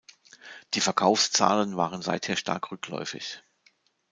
Die Verkaufszahlen waren seither stark rückläufig.